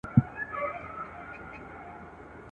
الاهو دي نازولي دي غوږونه؟!.